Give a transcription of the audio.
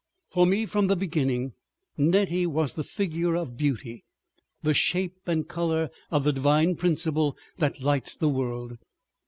For me from the beginning Nettie was the figure of beauty, the shape and color of the divine principle that lights the world.